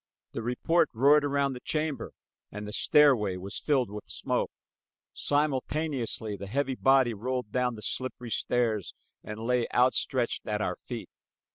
The report roared around the chamber and the stairway was filled with smoke. Simultaneously a heavy body rolled down the slippery stairs and lay outstretched at our feet.